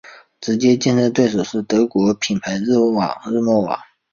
直接竞争对手是德国品牌日默瓦。